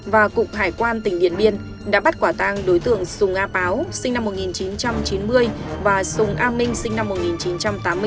và cục hải quan tỉnh điện biên đã bắt quả tang đối tượng sùng a páo sinh năm một nghìn chín trăm chín mươi và sùng a minh sinh năm một nghìn chín trăm tám mươi bốn